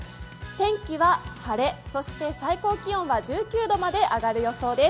天気は晴れ、そして最高気温は１９度まで上がる予想です。